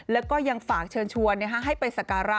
แล้วก็ยังฝากเชิญชวนให้ไปสการะ